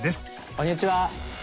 こんにちは！